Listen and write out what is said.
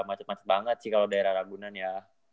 macet macet banget sih kalau daerah ragunan ya